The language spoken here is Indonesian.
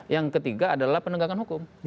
yang ketiga adalah penegakan hukum